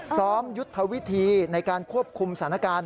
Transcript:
ยุทธวิธีในการควบคุมสถานการณ์